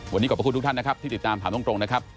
วันนี้ขอบพระคุณทุกท่านนะครับที่ติดตามถามตรงนะครับ